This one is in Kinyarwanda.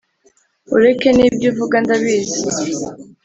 ureke n’ibyo uvuga ndabizi